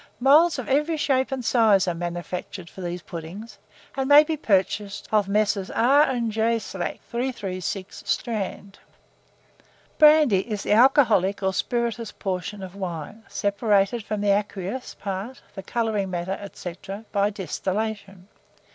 Moulds of every shape and size are manufactured for these puddings, and may be purchased of Messrs. R. & J. Slack, 336, Strand. BRANDY is the alcoholic or spirituous portion of wine, separated from the aqueous part, the colouring matter, &c., by distillation.